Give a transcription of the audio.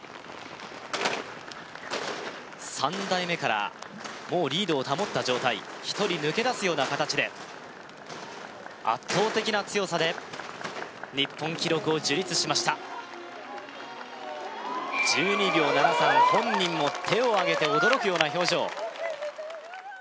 ３台目からもうリードを保った状態１人抜け出すような形で圧倒的な強さで日本記録を樹立しました１２秒７３本人も手をあげて驚くような表情